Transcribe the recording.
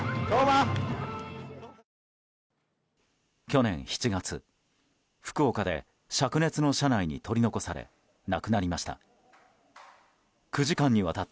去年７月福岡で灼熱の車内に取り残され亡くなりました。